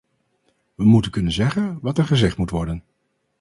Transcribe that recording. We moeten kunnen zeggen wat er gezegd moet worden.